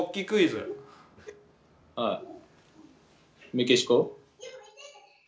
「メキシコ」。